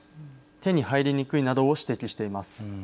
手に入りにくいなどを指摘しています。